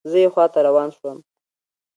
زه یې خواته روان شوم.